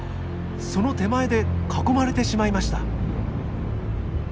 その手前で囲まれてしまいました。